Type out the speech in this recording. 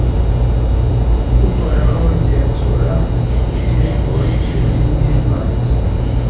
Uhoraho genzura irembo ry’ururimi rwanjye